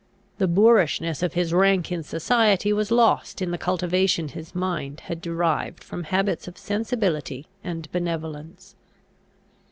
The boorishness of his rank in society was lost in the cultivation his mind had derived from habits of sensibility and benevolence.